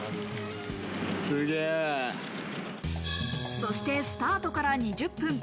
そしてスタートから２０分。